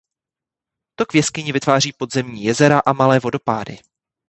Tok v jeskyni vytváří podzemní jezera a malé vodopády.